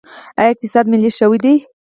آیا اقتصاد ملي شوی دی؟